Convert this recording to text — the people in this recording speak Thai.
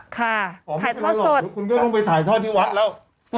ค่ะถ่ายท่าจะถ้าสดคุณก็ต้องไปถ่ายท่าที่วัดแล้ว